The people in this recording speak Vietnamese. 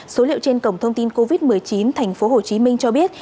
số liệu trên cổng thông tin covid một mươi chín thành phố hồ chí minh cho biết